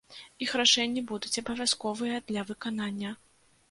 Іх рашэнні будуць абавязковыя для выканання.